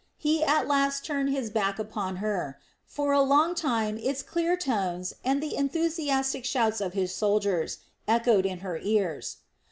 he at last turned his back upon her; for a long time its clear tones and the enthusiastic shouts of his soldiers echoed in her ears.